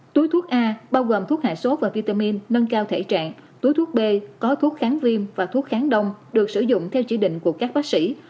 túi thuốc a bao gồm thuốc hạ sốt và vitamin nâng cao thể trạng túi thuốc b có thuốc kháng viêm và thuốc kháng đông được sử dụng theo chỉ định của các bác sĩ